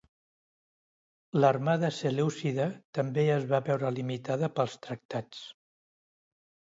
L'armada selèucida també es va veure limitada pels tractats.